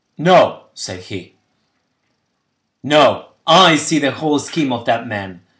"No," said he, "no; I see the whole scheme of that man.